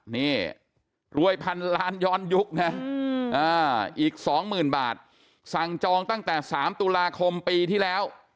นี่รวยพันล้านย้อนยุคนะอีก๒๐๐๐บาทสั่งจองตั้งแต่๓ตุลาคมปีที่แล้ว